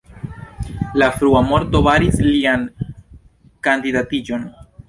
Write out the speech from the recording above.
La frua morto baris lian kandidatiĝon.